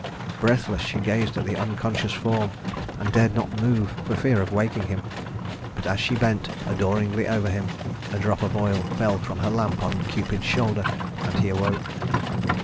Breathless she gazed at the unconscious form, and dared not move for fear of waking him; but as she bent adoringly over him a drop of oil fell from her lamp on Cupid's shoulder, and he awoke.